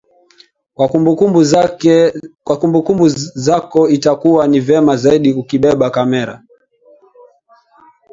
Kwa kumbukumbu zako itakuwa ni vema zaidi ukibeba kamera